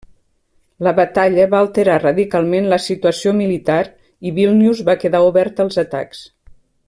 La batalla va alterar radicalment la situació militar i Vílnius va quedar oberta als atacs.